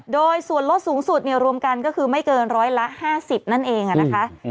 โดยส่วนลดสูงสุดรวมกันก็คือไม่เกินร้อยละ๕๐นั่นเองนะคะ